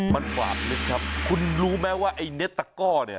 มันบาดลึกครับคุณรู้ไหมว่าไอ้เน็ตตะก้อเนี่ย